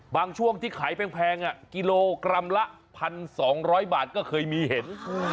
ช่วงที่ขายแพงกิโลกรัมละ๑๒๐๐บาทก็เคยมีเห็น